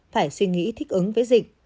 phải suy nghĩ thích ứng với dịch